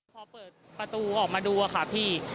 พอเปิดประตูออกมาดูอะค่ะพี่